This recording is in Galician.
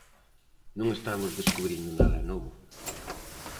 Non estamos descubrindo nada novo.